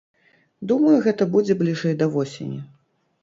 Думаю, гэта будзе бліжэй да восені.